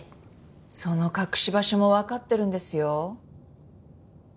その隠し場所もわかってるんですよ。